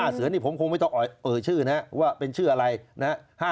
เสือนี่ผมคงไม่ต้องเอ่ยชื่อนะว่าเป็นชื่ออะไรนะฮะ